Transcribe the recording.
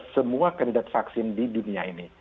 semua kandidat vaksin di dunia ini